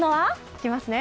いきますね。